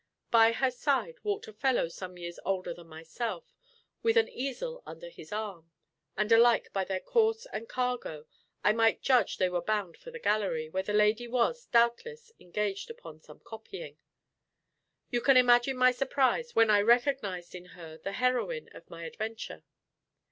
By her side walked a fellow some years older than myself, with an easel under his arm; and alike by their course and cargo I might judge they were bound for the gallery, where the lady was, doubtless, engaged upon some copying. You can imagine my surprise when I recognized in her the heroine of my adventure.